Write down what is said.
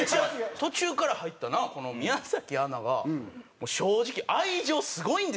途中から入ったこの宮アナが正直愛情すごいんですよ